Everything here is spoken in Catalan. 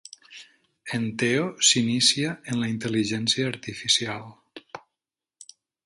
En Teo s'inicia en la Intel·ligència Artificial